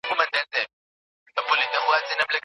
خپل ځان له هر ډول ککړتیا او جراثیمو څخه وساتئ.